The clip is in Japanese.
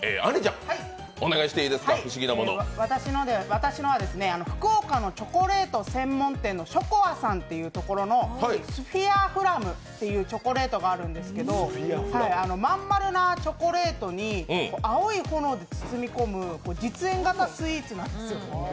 私は、福岡のチョコレート専門店のＸＸＯＣＯＡさんのスフィアフラムっていうチョコレートがあるんですけどまん丸なチョコレートに青い炎で包み込む実演型スイーツなんですよ。